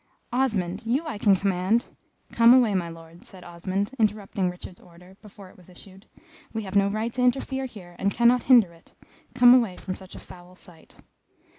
"Osmond. You I can command " "Come away, my Lord," said Osmond, interrupting Richard's order, before it was issued. "We have no right to interfere here, and cannot hinder it. Come away from such a foul sight."